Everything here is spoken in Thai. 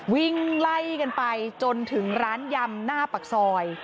วิ่งไล่กันไปจนถึงร้านยำหน้าปากซอย